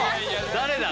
誰だ？